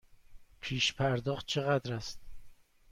پیش پرداخت چقدر است؟